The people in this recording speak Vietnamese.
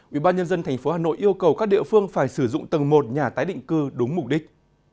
ubnd tp hà nội yêu cầu các địa phương phải sử dụng tầng một nhà tái định cư đúng mục đích